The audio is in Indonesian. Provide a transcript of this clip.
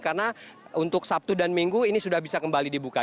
karena untuk sabtu dan minggu ini sudah bisa kembali dibuka